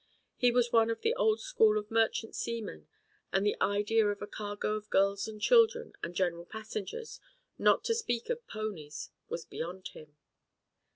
He was one of the old school of merchant seamen and the idea of a cargo of girls and children and general passengers, not to speak of ponies, was beyond him.